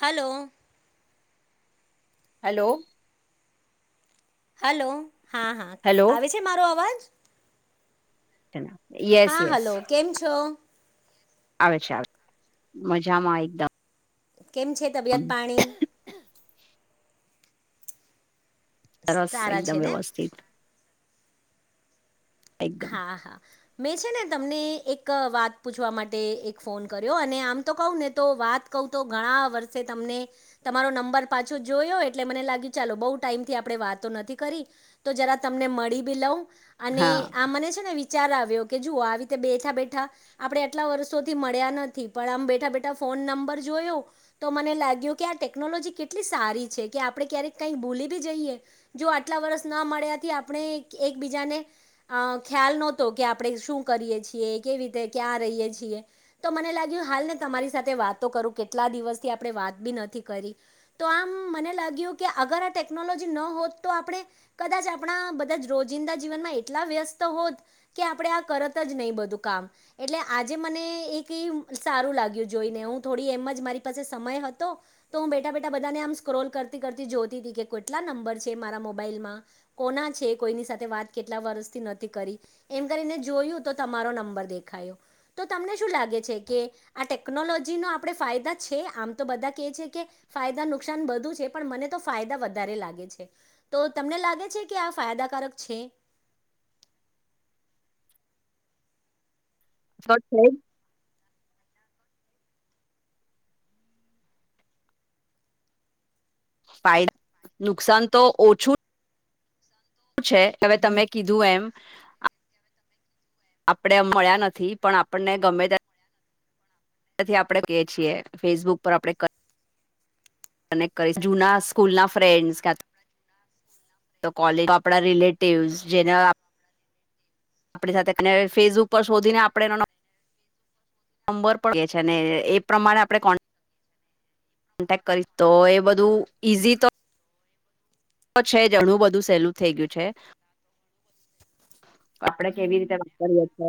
Hello hello hello હા હા hello આવે છે મારો અવાજ ચલો. હા હાલો કેમ છો. આવે ચાલ મજામાં એકદમ. કેમ છે, તબિયત પાણી સરસ સારા છે એકદમ ને વ્યવસ્થિત એકદમ હા, હા. મેં છે, ને તમને એક વાત પૂછવા માટે એક ફોન કર્યો અને આમ તો કહું ને તો વાત, કહું તો ઘણા વર્ષે તમને તમારો નંબર પાછો જોયો એટલે મને લાગ્યું, ચાલો બહુ ટાઈમથી આપણે નથી કરી તો જરા તમને મળી ભી લવ અને હા આ મને છે, ને વિચાર આવ્યો કે જુઓ આવી રીતે બેઠા બેઠા આપણે એટલા વર્ષોથી મળ્યા નથી, પણ આમ બેઠા બેઠા ફોન ફોન નંબર જોયો તો મને લાગ્યો કે આ ટેકનોલોજી કેટલી સારી છે, કે આપણે ક્યારેક કંઈ બોલી. તે જઈએ જો આટલા વર્ષ ના મળ્યાથી આપણે એકબીજાને અ ખ્યાલ નહોતો કે આપણે શું કરીએ છીએ, કેવી રીતે ક્યાં રહીએ છીએ, તો મને લાગ્યું હાલને તમારી સાથે વાત તો કરું કેટલા દિવસથી આપણે વાત બી નથી કરી, તો આમ મને લાગ્યું અગર આ ટેકનોલોજી ન હોત તો આપણે કદાચ આપણા બધા જ રોજિંદા જીવનમાં એક એટલા વ્યસ્ત હોત કે આપણેે આ કરત જ નહીં બધું કામ એટલે આજે મને એક એ સારું લાગ્યું જોઈને હું થોડી એમ જ મારી પાસે સમય હતો તો હું બેઠા બેઠા બધાને આમ સ્ક્રોલ કરતી. જોતી કેટલા નંબર છે, મારા મોબાઈલમાં કોના છે, કોઈની સાથે વાત કેટલી. કેટલા વર્ષથી નથી કરી એમ કરીને જોયું તો તમારો નંબર દેખાયો તો તમને શું લાગે છે. કે આ ટેકનોલોજી ન આપણે ફાયદા છે, આમ તો બધા કે છે, કે ફાયદા નુકસાન બધું પણ મને તો ફાયદા વધારે લાગે છે, તો તમને લાગે છે, કે આ ફાયદાકારક છે. શટૅ સાહેડ ફાયદા નુકસાન તો ઓછું. શું છે, હવે તમે કીધું એમ આપણે મળ્યા નથી, પણ આપણને ગમે તે થી આપણે કહે છીએં, ફેસબુક પર આપણે અને ક‌ઇઝુના સ્કૂલ ના ફ્રેન્ડ્સ. કોલેજ આપણા રિલેટિવ્સ જેના આપણી સાથે અને ફેસબુક પર શોધીને આપણે એનો નો નંબર પણ છે, ને એ પ્રમાણે આપણે કોણ કોન્ટેક્ટ કરી તો એ બધું ઈઝી તો છે, જણું બધું સહેલું થઈ ગયું છે, આપડે કેવી રીતે વાપરીએ છે.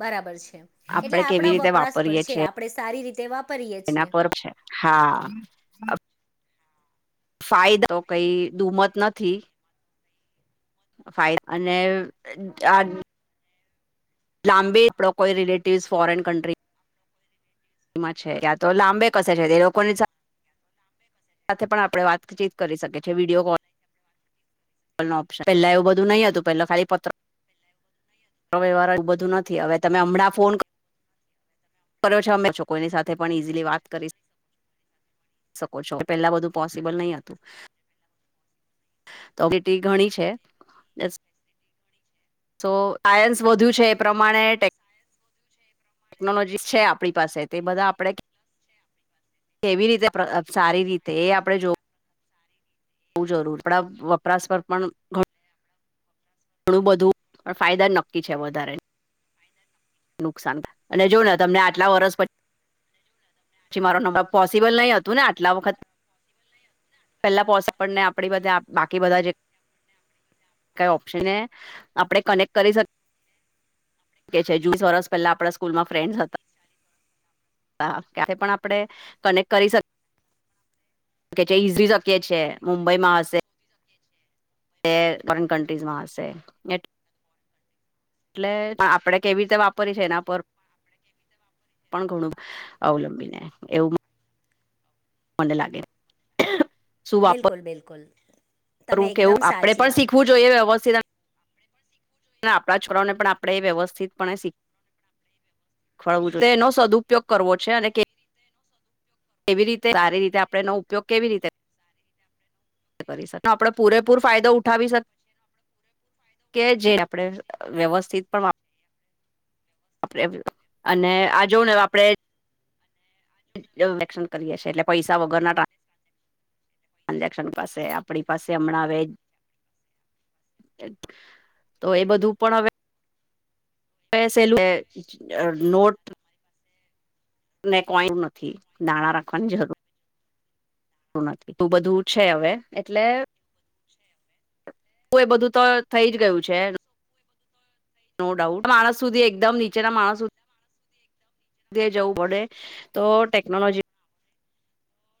બરાબર છે. એટલે આપડે કેવી આપણા રીતે વપરાશ પર વાપરીએ છે, છીએ આપણે સારી રીતે વાપરીએ એના છીએ. પર છે હા ફાયદા કંઈ દુમત નથી. ફાઈ અને આ લાંબી લોકો એ રિલેેટિવ્સ ફોરેન કંન્ટ્રી. માં છે, ક્યા તો લાંબે કસે છે, તે લોકોની સાથે પણ આપણે વાતચીત કરી શકીએ છે, વિડિયો કોલ ઓપ્શન પેલા એવું બધું નહી હતું પેલા ખાલી પત્ર વારો એવું બધું નથી, હવે તમે હમણાં ફોન કરો. કરો છો, અમે છોકરીની સાથે પણ ઇઝીલી વાત કરીશ. શકો છો, પેલા બધું પોસિબલ નહીં હતું તો વિટી ઘણી છે, બસ સો [unintelligible] વધ્યું છે, એ પ્રમાણે ટેક ટેક્નોલોજીસ છે આપણી પાસે તે બધા આપડે કેવી રીતે [unintelligible] સારી રીતે એ આપણે જોવ બોવ જરૂર. આપણા વપરાશ પર પણ ઘણ ઘણું બધું ફાયદા નક્કી છે વધારે. નુકસાન, અને જોવોને તમને આટલા વરસ પછ પછી મારો નંબર પોસિબલ નહી હતુ ને આટલા વખત પેલા [unintelligible] આપણી બધા બાકી બધા જે કાઈ ઓપ્શનને આપણે કનેક્ટ કરી શક કે છે જુ સરસ પહેલાં આપણા સ્કૂલમાં ફ્રેન્ડ્સ હત તા ત્યારે પણ આપણે કનેક્ટ કરી શક [unintelligible] ઇઝી શક્ય છે મુંબઈમાં હશે તે ફોરેન કન્ટ્રીઝમાં હશે [unintelligible] એટલે આપડે કેવી રીતે વાપરીએ છે એના પર પણ ઘણું અવલંબીને એવું મને લાગે. બિલકુલ-બિલકુલ. કરવું કેવું આપણેે પણ શીખવું જોઈએ વ્યવસ્થિત એમ ને આપણા છોરાઓને પણ આપણે એ વ્યવસ્થિતપણે શીખ [unintelligible] તેનો સદ્ઉપયોગ કરવો છે અને કે કેવી રીતે સારી રીતે આપણે એનો ઉપયોગ કેવી રીતે કરીશ, આપડે પૂરેપૂર ફાયદો ઉઠાવી શક કે જે આપણેે વ્યવસ્થિત પણ આપડે, અને આ જોવો ને આપડે [unintelligible] વેકેશન કરીએ છી એટલે પૈસા વગરના ટ્રાન્ ટ્રાન્ઝેક્શન પાસે આપણી પાસે હમણાં વેજ તો એ બધું પણ હવ [unintelligible] અહ નોટ ને કોઈન નથી, નાણાં રાખવાની જરૂર. [unintelligible] તું બધું છે હવે એટલે હું એ બધું તો થઈ જ ગયું છે [unintelligible] નો ડાઉટ. માણસ સુધી એકદમ નીચેના માણસ સુ ધીએ જવું પડે તો ટેકનોલોજી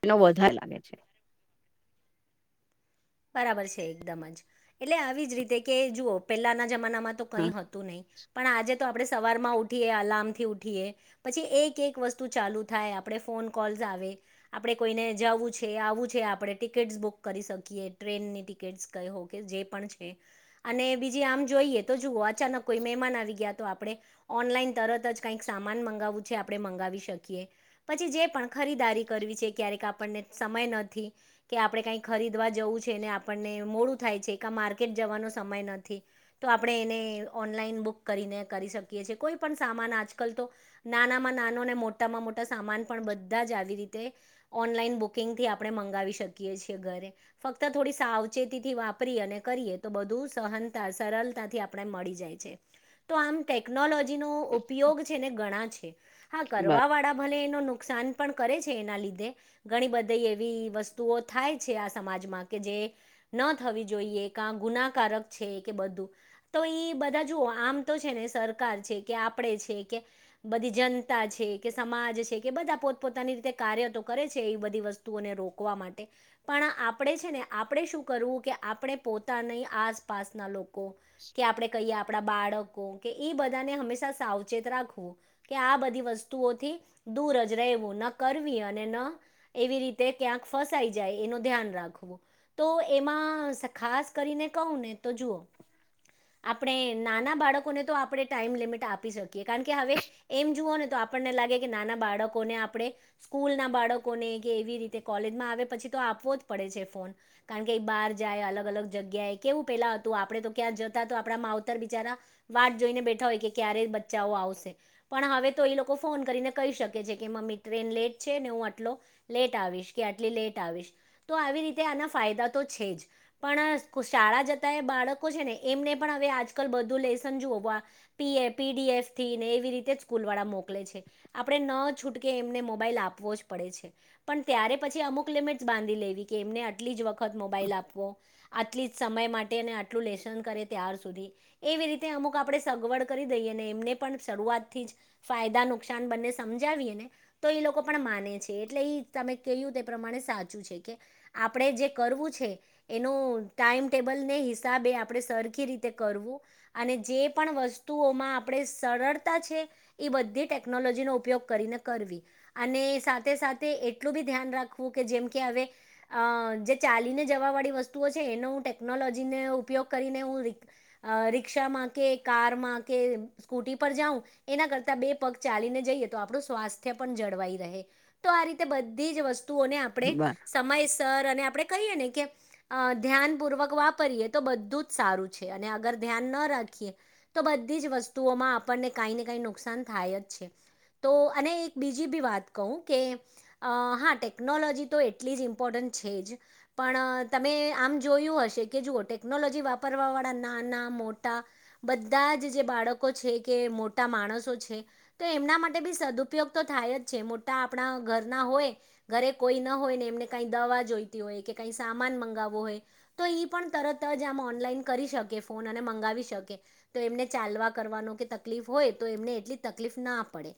એનો વધારે લાગે છે. બરાબર છે એકદમ જ એટલે આવી જ રીતે કે જુઓ પેહલાના જમાનામાં તો કઈ હા હતું નહીં પણ આજે આપણે સવાર માં ઉઠીએ અલાર્મ થી ઉઠીએ પછી એક એક વસ્તુ ચાલુ થાય આપણે ફોન કોલ આવે આપડે કોઈને જવું છે આવું છે આપણે ટિકિટ બુક કરી શકીએ ટ્રેનની ટિકિટ ક હોકે જે પણ છે અને બીજી આમ જોઈએ તો જુઓ અચાનક કોઈ મેહમાન માન આવી ગયા તો આપણે ઓનલાઈન તરત જ કાઇ સામાન માવું છે આપણે મંગાવી શકીએ પછી જે પણ ખરીદારી કરવી છે ક્યારેક આપણને સમય નથી કે આપડે કઈ ખરીદવા જવું છે. આપણે મોડું થાય છે માકેર્ટ જવાનો સમય નથી તો આપ એને ઓનલાઇન બૂક કરીને કરી શકીએ છ કોઈ પણ સામાન આજકા તો નાનામાં નાનો ને મોટામાં મોટા સામાન પણ બધા જ આવી રીતે ઓનલાઈન બુકિંગથી આપણે મંગાવી શકીએ છીએ ઘરે ફક્ત થોડી સાવચેતીથી વાપરી અને કરીએ તો બધું સહનતા સરળતાથી આપણે મળી જાય છે. તો આમ ટેકનોલોજી નો ઉપયોગ છે ને ગણા છે હા કરવા બર વાળા ભલે એનો નુ નુકસાન પણ કરે છે એના લીધે ઘણી બધી એવી વસ્તુઓ થાય છે આ સમાજમાં કે જે ન થવી જોઈએ ક ગુનાકારક છે કે બધું તો એ બધા જો આમ તો છે ને સરકાર છે કે, આપડે છે કે, બધી જનતા છે કે, સમાજ છે કે એ બધા પોતપોતાની રીતે કાર્ય તો કરે છે એ બધી વસ્તુઓને રોકવા માટે પણ આપણે છે ને આપણે શું કરવું કે આપણે પોતાની આસપાસના લોકો કે આપણે કહીએ આપડા બાળકો કે ઇ બધાને હંમેશા સાવચેત રાખવું કે આ બધી વસ્તુઓથી દૂર જ રહેવું ન કરવી અને ન એવી રીતે ક્યાંક ફસાઈ જાય એનું ધ્યાન રાખવું. તો એમાં ખાસ કરીને કહું ને તો જુઓ આપણે નાના બાળકોને તો આપણે ટાઈમ લિમિટ આપી શકીએ કારણ કે હવે એમ જુઓ ને તો આપને લાગે નાના બાળકોને આપણે સ્કૂલના બાળકોને કેવી રીતે કોલેજમાં આવે પછી તો આપ આપવો જ પડે છે ફોન કારણ કે બહાર જાય અલગ અલગ જગ્યાએ કેવું પેલા હતું આપડે તો ક્યાં જતા હતા આપડા માવતર બિચારા વાત જોઈને બેઠા હોય કે ક્યારે બચ્ચાઓ આવશે પણ હવે તો એ લોકો ફોન કરીને કહી શકે છે કે ટ્રેન લેટ છે ને હું આટલો લેટ આવીશ કે આટલી લેટ આવીશ તો આવી રીતે આના ફાયદા તો છે જ પણ શાળા જતા બાળકો છે ને એમને પણ આજકાલ બધું [unintelligible] પીએ પીડીએફ થી ને એવી રીતે સ્કૂલ વાળા મોકલે છે આપણે ન છુટક એમને મોબાઈલ આપવો જ પડે છે પણ ત્યારે પછી અમુક લિમિટ બાંધી લેવી કે એમને આટલી જ વખત મોબાઈલ આપવો આટલી જ સમય માટે અને આટલું લસન કરે ત્યાર સુધી એવી રીતે અમુક આપણે સગવડ કરી દઈએ એમને શરૂઆતથી જ ફાયદા નુકસાન બંને સમજાવીએ ને તો એ લોકો પણ માને છે એટલે એ તમે ક્યું તે પ્રમાણે સાચું છે કે આપણે જે કરવું છે એનો ટાઈમ ટેબલ ને હિસાબે આપણે સરખી રીતે કરવું. અને જે પણ વસ્તુઓમાં આપણે સરળતા છે એ બધી ટેકનોલોજીનો ઉપયોગ કરીને કરવી અને સાથે સાથે એટલું બી ધ્યાન રાખવું કે જેમ કે હવે અ જે ચાલીને જવાવાળી વસ્તુઓ છે એનો હું ટેકનોલોજીને ઉપયોગ કરીને હું રી અ રિક્ષામાં કે, કારમાં કે, સ્કૂટી પર જાઉં એના કરતા બે પગ ચાલીને જઈએ. આપણું સ્વાસ્થ્ય પણ જળવાઈ રહે તો આ રીતે બધી જ વસ્તુઓને આપણે બર સમય [unintelligible] આપણે કહીને કે ધ્યાન પૂર્વક વાપરીએ તો બધું જ સારું છે અને અગર ધ્યાન ધ્યાન ન રાખીએ તો બધી જ વસ્તુઓમાં આપણને કઈ ને કઈ નુકસાન થાય જ છે. તો અને એક બીજી બી વાત કહું કે અ હા ટેકનોલોજી તો એટલી જ ઇમ્પોર્ટન્ટ છે જ પણ તમે આમ જોયું હશે કે જુઓ ટેકનોલોજી વાપરવા વાળા ના ના મોટા બધા જ જે બાળકો છે કે મોટા માણસો છે તો એમના માટે બી સદુપયોગ તો થાય જ છે મોટા આપણા ઘરના હોય ઘરે કોઈ ન હોય ને એમને કઈ દવા જોઈતી હોય કે કાંઈ સામાન મંગાવો હોય તો એ પણ તરત જ ઓનલાઇન કરી શકે ફોન મંગાવી શકે તો એમને ચાલવા કરવાનો કે તકલીફ હોય તો એમને એટલી તકલીફ ના પડે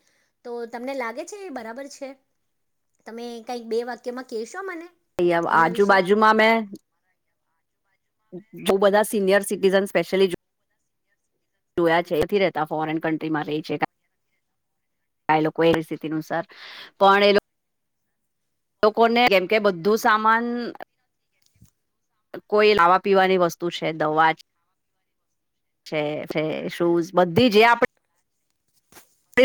તો તમને લાગે છે એ બરાબર છે તમે કંઈક બે વાક્યમાં કહેશો મને આવ એના વિશે આજુબાજુમાં મેં બહુ બધા સિનિયર સિટીઝન સ્પેશિલી જોયા છે એથી રહેતા ફોરેન કન્ટ્રીમાં રહી છે. એ લોકો એવી સ્થિતિ અનુસાર પણ એ લોકો લોકોને કેમ કે બધું સામાન કોઈ ખાવા પીવાની વસ્તુ છે દવા છે શૂઝ બધી જે આપણે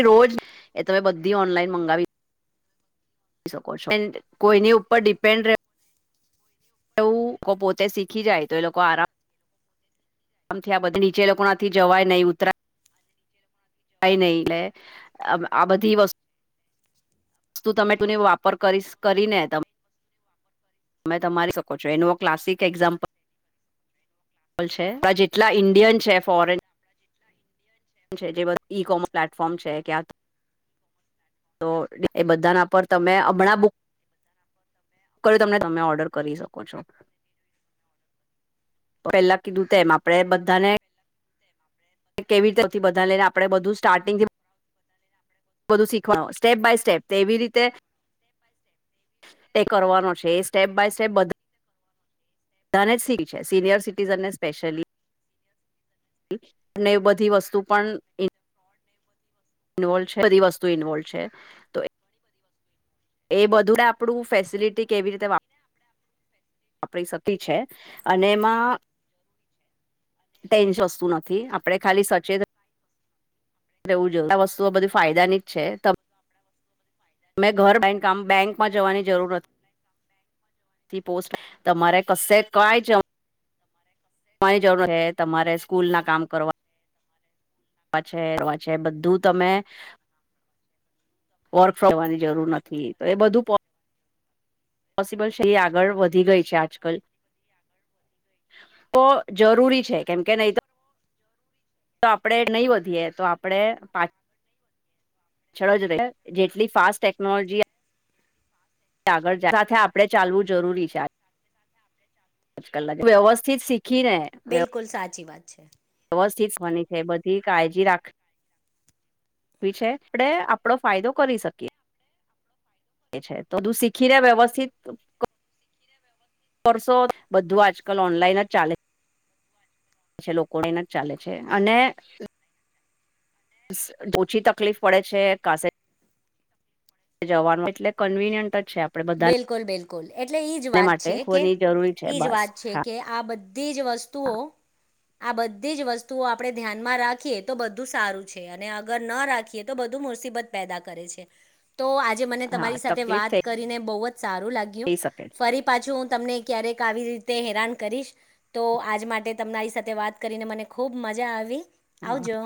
રોજ એ તમે બધી ઓનલાઈન મંગાવી કો કોઈની ઉપર ડિપેન્ડ રહે પોતે શીખી જાય તો એ લોકો આરામ આમથી આ બધી નીચે લોકોનાથી જવાય નહીં ઉતરાય કઈ નહી એટલે આ બધી વસ્તુ વતુ તમે તુંની વાપર કરી કરી ને ત તમે તમારી શકો છો એનું ક્લાસિક એક્ઝામ્પલ લ છે આ જેટલા ઈન્ડિયન છે ફોરેન છે જે બધું ઈ કોમર પ્લેટફોર્મ છે ક્યાં તો એ બધાના પર તમે હમણાં બુક તમ તમે ઓર્ડર કરી શકો છો પેલા કીધું તેમમ આપડે બધાને કેવી રીતે સૌથી બધા લઈને આપણે બધું સ્ટાર્ટિંગથી બધું શીખવાનું સ્ટેપ બાય સ્ટેપ એવી રીતે એ કરવાનો છે એ સ્ટેપ બાય સ્ટેપ બધા ધને જ સી છે સિનિયર સિટીઝનને સ્પેશ્યલી અને બધી વસ્તુ પણ ઇન્વોલ્વ છે બધી વસ્તુ ઇન્વોલ્વ છે. તો એ બધુંને આપણું ફેસિલિટી કેવી રીતે વાપર. આપણી સતી છે. અને એમાં ટેન સસ્તું નથી આપડણે ખાલી સચેત એવું જો આ વસ્તુઓ બધી ફાયદાની જ છે. અમે ઘર બેનકામ બેન્કમાં જવાની જરૂર નથી. થી પોસ્ટ તમારે કશે કંઈ જ તમારી જરૂર હે તમારે સ્કૂલ ના કામ કરવા. છે છે બધું તમે. વર્ક ફવાની જરૂર નથી તો એ બધું. પોસિબલ છે એ આગળ વધી ગઈ છે. આજકાલ તો જરૂરી છે કેમ કે નહી તો તો આપડે નહી વધીએ તો આપડે પાચ ચડજ જેટલી ફાસ્ટ ટેકનોલોજી. આગળ સાથે આપણે ચાલવું જરૂરી છે. આજકાલાગે વ્યવસ્થિત શીખીને બિલકુલ સાચી વાત છે બસ ઠીવાની છે બધીાળજી રાખ. છે આપણેે આપડો ફાયદો કરી શકીએ. છે તોધું શીખીને વ્યવસ્થિત વસો બધું આજકાલ ઓનલાઈન જ ચાલે. છે લોકોને એને જ ચાલે છે, અને ઓછી તકલીફ પડે છે કાસે. જવાનું એટલે કન્વીિનિયન્ટ જ છે આપ બિલકુલ બિલકુલ એટલે એઈજ વાત માટે છે. કે ખોની જરૂરી છે એજ બસ વાત છે હા કે આ બધી જ વસ્તુઓ. હા આ બધી જ વસ્તુઓ આપડણે ધ્યાનમાં રાખીએ તો બધું સારું છે, અને અગર ન રાખીએ તો બધું મુબત પેદા કરે છે તો આજે મને હા, તમારી સાથે તકલીફ વાત કરીને બ જ સારું લાગ્યું થઈ શકે ફરી પાછું હું તમને ક્યારેક આવી. તે હેરાન કરીશ તો આજ માટે તમનેરી સાથે વાત કરીને મને ખૂબ મજા આવી. આવ હા જો.